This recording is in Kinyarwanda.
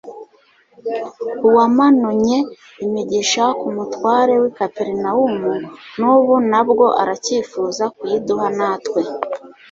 Uwamanunye imigisha ku mutware w'i Kaperinaurum, n'ubu nabwo aracyifuza kuyiduha natwe.